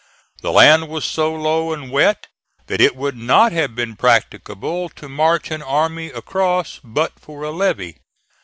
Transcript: The land was so low and wet that it would not have been practicable to march an army across but for a levee.